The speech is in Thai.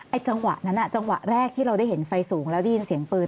จังหวะนั้นจังหวะแรกที่เราได้เห็นไฟสูงแล้วได้ยินเสียงปืน